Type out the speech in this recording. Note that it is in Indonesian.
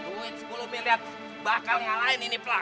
uit sepuluh miliar bakal ngalahin ini plank